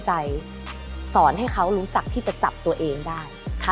ได้ทัชตัวเองได้